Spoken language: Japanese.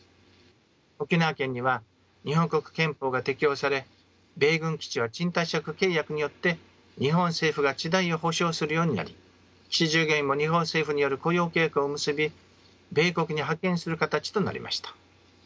沖縄県には日本国憲法が適用され米軍基地は賃貸借契約によって日本政府が地代を補償するようになり基地従業員も日本政府による雇用契約を結び米国に派遣する形となりました。